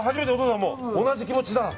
同じ気持ちだ。